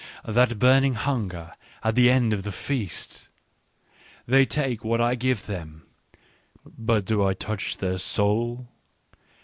that burning hunger at the end of the feast !" They take what I give them ; but do I touch their soul